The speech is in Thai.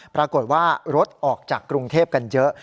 ปรากฏว่ารถออกจากกรุงเทพกันเยอะ